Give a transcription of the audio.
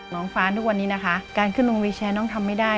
น้องฟ้าทุกวันนี้นะคะการขึ้นลงวิวแชร์น้องทำไม่ได้